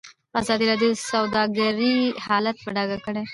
ازادي راډیو د سوداګري حالت په ډاګه کړی.